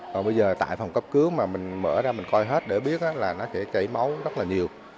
còn bây giờ tại phòng cấp cứu mà mình mở ra mình coi hết để biết là nó sẽ chảy máu rất là nhiều